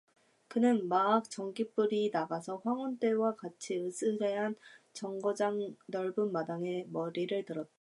그는 마악 전깃불이 나가서 황혼 때와 같이 으스레한 정거장 넓은 마당에서 머리를 들었다.